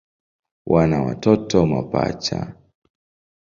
Wana watoto mapacha.